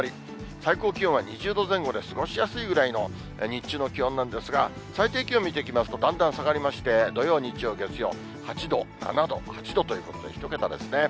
最高気温は２０度前後で過ごしやすいぐらいの日中の気温なんですが、最低気温見ていきますと、だんだん下がりまして、土曜、日曜、月曜、８度、７度、８度ということで、１桁ですね。